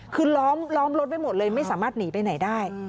คือล้อมรถไว้หมดเลยไม่สามารถหนีไปไหนได้